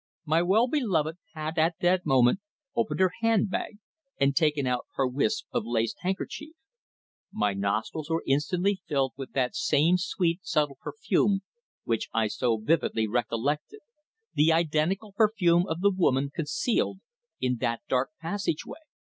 My well beloved had at that moment opened her handbag and taken out her wisp of lace handkerchief. My nostrils were instantly filled with that same sweet, subtle perfume which I so vividly recollected, the identical perfume of the woman concealed in that dark passage way!